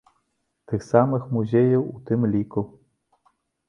Тых самых музеяў у тым ліку.